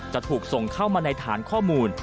จะถูกส่งเข้ามาในฐานข้อมูล